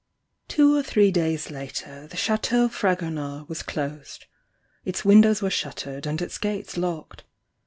Two 0" three days later the Chateau Fragonard was closed, — its windows were shuttered and its gates locked.